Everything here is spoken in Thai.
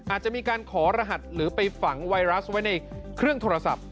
อาจจะมีการขอรหัสหรือไปฝังไวรัสไว้ในเครื่องโทรศัพท์